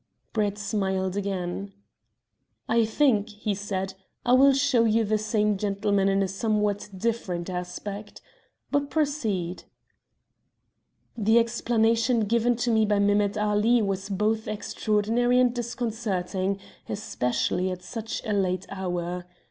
Brett smiled again. "I think," he said, "I will show you the same gentleman in a somewhat different aspect. But proceed." "The explanation given to me by Mehemet Ali was both extraordinary and disconcerting, especially at such a late hour.